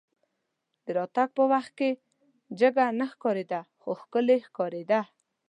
د راتګ په وخت کې جګه نه ښکارېده خو ښکلې ښکارېده.